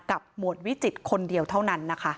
หมวดวิจิตรคนเดียวเท่านั้นนะคะ